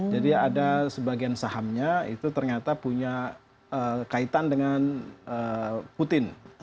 jadi ada sebagian sahamnya itu ternyata punya kaitan dengan putin